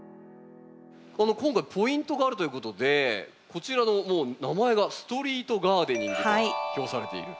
今回ポイントがあるということでこちらの名前が「ストリート・ガーデニング」と表されている。